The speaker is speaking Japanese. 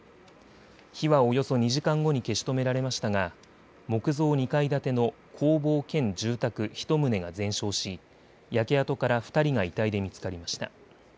火はおよそ２時間後に消し止められましたが木造２階建ての工房兼住宅１棟が全焼し焼け跡から２人が遺体で見つかりました。